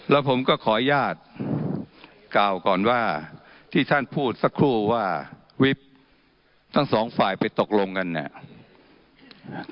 แล้วผมก็ขออนุญาตกล่าวก่อนว่าที่ท่านพูดสักครู่ว่าวิบทั้งสองฝ่ายไปตกลงกันเนี่ย